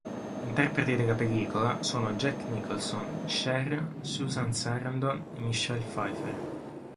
Interpreti della pellicola sono Jack Nicholson, Cher, Susan Sarandon e Michelle Pfeiffer.